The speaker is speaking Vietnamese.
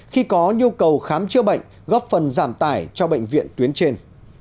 khi có nhu cầu khám chữa bệnh góp phần giảm tải cho bệnh viện tuyến trên